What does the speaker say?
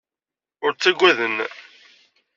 Ur ttagaden.